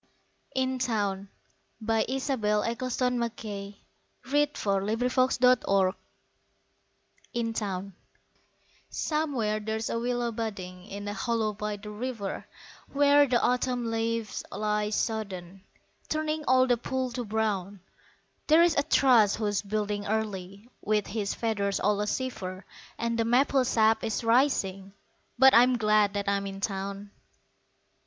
Somewhere far away Spring awoke to day From the depth of dream! In Town SOMEWHERE there's a willow budding In a hollow by the river, Where the autumn leaves lie sodden, Turning all the pool to brown; There's a thrush who's building early, With his feathers all a shiver, And the maple sap is rising But I'm glad that I'm in town.